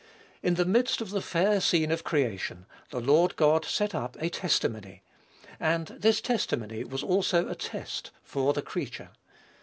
In the midst of the fair scene of creation, the Lord God set up a testimony, and this testimony was also a test for the creature.